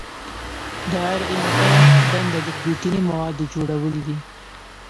د آر این اې دنده د پروتیني موادو جوړول دي.